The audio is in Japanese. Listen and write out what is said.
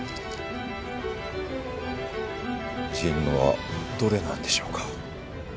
神野はどれなんでしょうか？